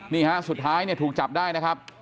นี่ฮะสุดท้ายเนี่ยถูกจับได้นะครับ